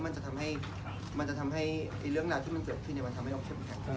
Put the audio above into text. เพราะว่ามันจะทำให้เรื่องราวที่เกิดขึ้นในวันทำให้อ๊อฟเป็นเพื่อนกัน